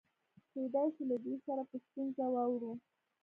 کېدای شي له دوی سره په ستونزه واوړو.